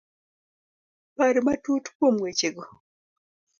Par matut kuom wechego.